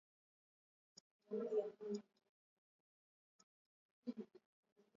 Kiswahili chao ni tofauti sana